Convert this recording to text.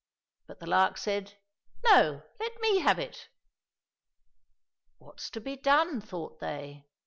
" But the lark said, " No, let me have it !"—" What's to be done ?" thought they.